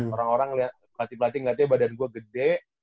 orang orang latih latih ngeliatnya badan gua gede